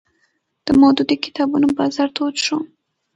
د مودودي کتابونو بازار تود شو